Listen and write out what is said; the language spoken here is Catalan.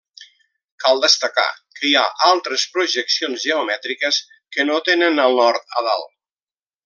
Cal destacar que hi ha altres projeccions geomètriques que no tenen el nord a dalt.